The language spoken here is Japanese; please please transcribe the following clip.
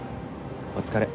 お疲れ。